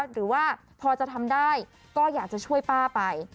หรือว่าพอจะทำได้ก็อยากจะช่วยป้าไป